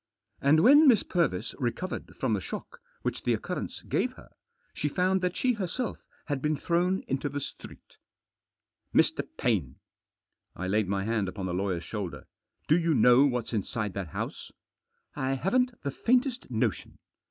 And when Miss Purvis recovered from the shock which the occurrence gave her, she found that she herself had been thrown into the street." " Mr. Paine !" I laid my hand upon the lawyer's Digitized by THE JOSS. shoulder. "Do you know what's inside that house?" "I haven't the faintest notion.